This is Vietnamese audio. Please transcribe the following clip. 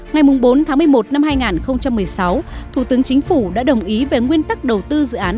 ngày bốn tháng một mươi một năm hai nghìn một mươi sáu thủ tướng chính phủ đã đồng ý về nguyên tắc đầu tư dự án